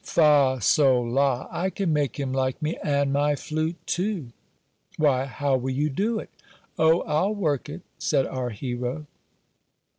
"Fa, sol, la I can make him like me and my flute too." "Why, how will you do it?" "O, I'll work it," said our hero.